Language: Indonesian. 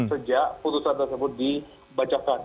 sejak putusan tersebut dibacakan